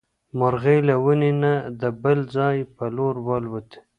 مرغۍ له ونې نه د بل ځای په لور والوتې.